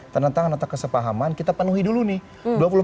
tangan tangan atas kesepahaman kita penuhi dulu nih